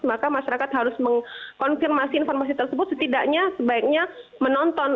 maka masyarakat harus mengkonfirmasi informasi tersebut setidaknya sebaiknya menonton